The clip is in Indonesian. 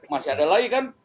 masih ada lagi kan